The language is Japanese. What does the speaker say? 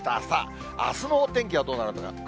さあ、あすのお天気はどうなるのか。